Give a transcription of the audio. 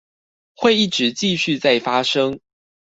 會一直繼續再發生